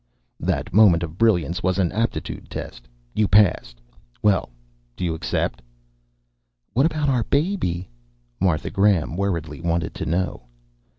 "That moment of brilliance was an aptitude test. You passed. Well, do you accept?" "What about our baby?" Martha Graham worriedly wanted to know.